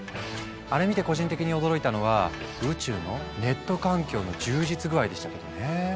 あれ見て個人的に驚いたのは宇宙のネット環境の充実具合でしたけどね。